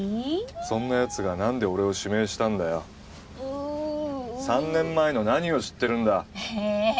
そんなやつが何で俺を指名したんだよう３年前の何を知ってるんだえ